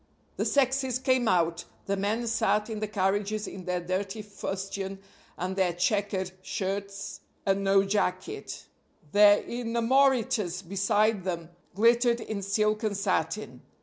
The sexes came out the men sat in the carriages in their dirty fustian and their checkered shirts and no jacket; their inamoritas beside them glittered in silk and satin.